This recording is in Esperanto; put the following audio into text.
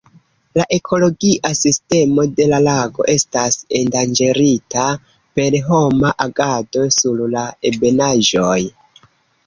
La ekologia sistemo de la lago estas endanĝerita per homa agado sur la ebenaĵoj.